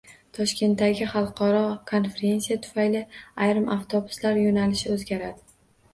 Toshkentdagi xalqaro konferensiya tufayli ayrim avtobuslar yo‘nalishi o‘zgaradi